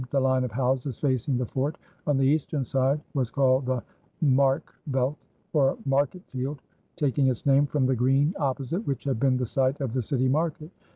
The line of houses facing the fort on the eastern side was called the Marckveldt, or Marketfield, taking its name from the green opposite, which had been the site of the city market.